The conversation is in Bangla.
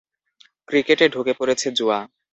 ক্রিকেটে ঢুকে পড়েছে জুয়া।